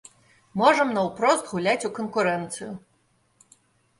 Можам наўпрост гуляць у канкурэнцыю.